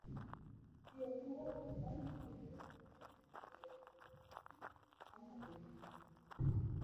tiyo gi weche ka indiko dwe nyalo konyo golo chandruokni manyalo wuok